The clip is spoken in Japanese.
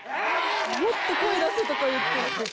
「もっと声出せ」とか言ってる。